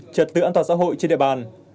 trật tự an toàn xã hội trên địa bàn